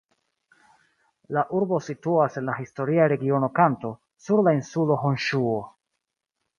La urbo situas en la historia regiono Kanto, sur la insulo Honŝuo.